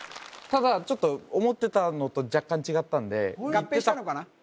ただちょっと思ってたのと若干違ったんで合併したのかな？